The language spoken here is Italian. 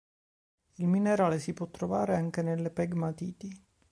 Il minerale si può trovare anche nelle pegmatiti.